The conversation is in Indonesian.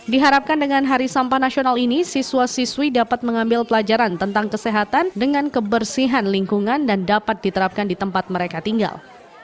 diharapkan dengan hari sampah nasional ini siswa siswi dapat mengambil pelajaran tentang kesehatan dengan kebersihan lingkungan dan dapat diterapkan di tempat mereka tinggal